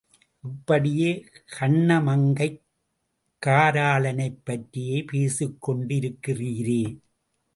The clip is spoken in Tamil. இப்படியே கண்ணமங்கைக் காராளனைப் பற்றியே பேசிக் கொண்டிருக்கிறீரே.